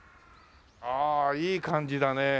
ああいい感じだね。